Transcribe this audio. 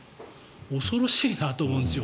恐ろしいなと思うんですよ。